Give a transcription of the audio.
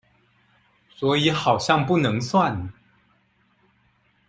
所以好像不能算